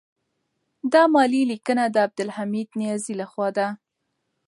دا مالي لیکنه د عبدالحمید نیازی لخوا ده.